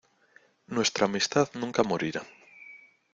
Nuestra amistad nunca morirá.